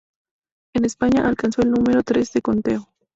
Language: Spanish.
En España, alcanzó el número tres del conteo.